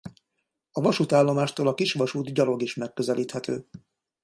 A vasútállomástól a kisvasút gyalog is megközelíthető.